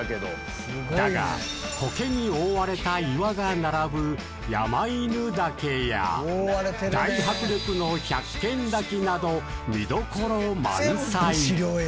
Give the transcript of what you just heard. だが、こけに覆われた岩が並ぶ山犬嶽や大迫力の百間滝など見どころ満載。